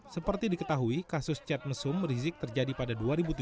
seperti diketahui kasus chat mesum rizik terjadi pada dua ribu tujuh belas